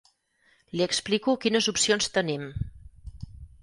Li explico quines opcions tenim.